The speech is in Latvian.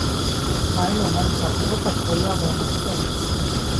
Vaino mani par to, par ko jāvaino sevi.